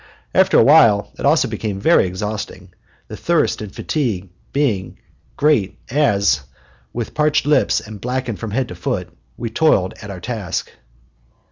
After a while it also became very exhausting, the thirst and fatigue being great, as, with parched lips and blackened from head to foot, we toiled at our task.